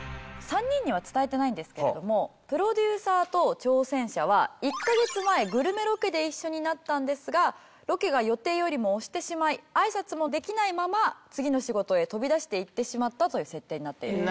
プロデューサーと挑戦者は１カ月前グルメロケで一緒になったんですがロケが予定よりも押してしまい挨拶もできないまま次の仕事へ飛び出していってしまったという設定になっている。